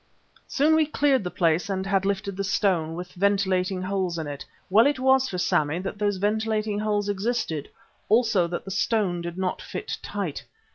Soon we cleared the place and had lifted the stone, with ventilating holes in it well was it for Sammy that those ventilating holes existed; also that the stone did not fit tight.